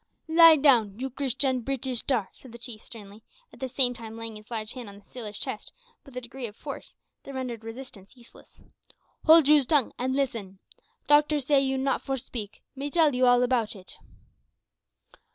"Lie down, you Christian Breetish tar," said the Chief, sternly, at the same time laying his large hand on the sailor's chest with a degree of force that rendered resistance useless. "Hold you's tongue an' listen. Doctor say you not for speak. Me tell you all about it.